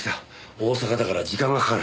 大阪だから時間がかかる。